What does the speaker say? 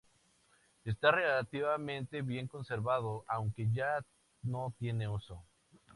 Está relativamente bien conservado, aunque ya no tiene uso.